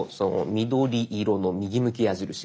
緑色の右向き矢印。